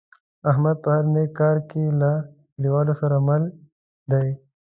احمد په هر نیک کار کې له کلیوالو سره مل دی.